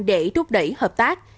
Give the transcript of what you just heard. để rút đẩy hợp tác